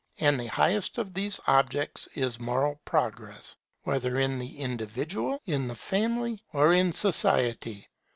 And the highest of these objects is moral progress, whether in the individual, in the family, or in society.